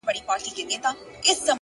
نو ژوند وي دغسي مفت يې در واخله خدایه’